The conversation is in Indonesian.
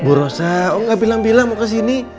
bu rosa oh nggak bilang bilang mau kesini